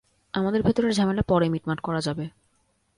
আমাদের ভেতরের ঝামেলা পরে মিটমাট করা যাবে।